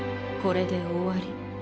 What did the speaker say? これで終わり。